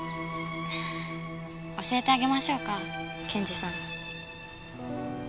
教えてあげましょうか検事さん。